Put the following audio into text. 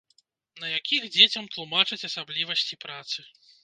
На якіх дзецям тлумачаць асаблівасці працы.